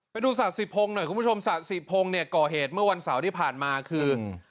ไปดูสะสิพงศ์หน่อยคุณผู้ชมสะสิพงศ์เนี่ยก่อเหตุเมื่อวันเสาร์ที่ผ่านมาคือ